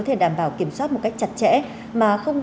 thưa quý vị và các bạn